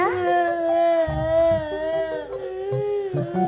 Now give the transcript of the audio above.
dewa ya udah buka ya